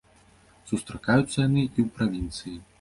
Сустракаюцца яны і ў правінцыі.